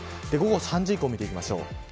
午後３時以降を見ていきます。